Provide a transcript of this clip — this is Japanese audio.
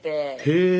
へえ！